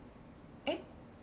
えっ？